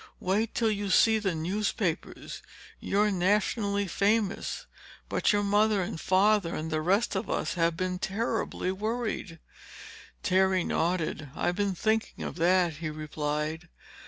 Wait till you see the newspapers! You're nationally famous! But your mother and father and the rest of us have been terribly worried." Terry nodded. "I've been thinking of that," he replied.